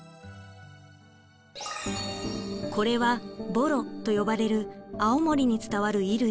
これはＢＯＲＯと呼ばれる青森に伝わる衣類。